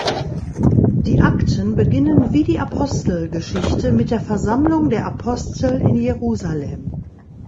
Die Akten beginnen wie die Apostelgeschichte mit der Versammlung der Apostel in Jerusalem.